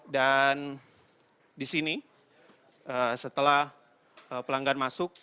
dan di sini setelah pelanggan masuk